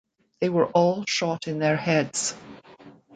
They were all shot in their heads.